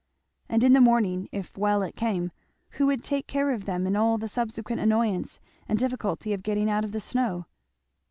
And in the morning, if well it came, who would take care of them in all the subsequent annoyance and difficulty of getting out of the snow?